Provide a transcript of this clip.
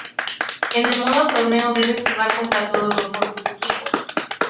En el modo torneo, debes jugar contra todos los otros equipos.